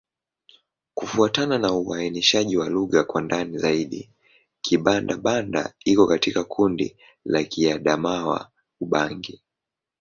Kufuatana na uainishaji wa lugha kwa ndani zaidi, Kibanda-Banda iko katika kundi la Kiadamawa-Ubangi.